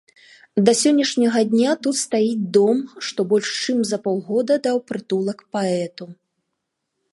Да сённяшняга дня тут стаіць дом, што больш чым на паўгода даў прытулак паэту.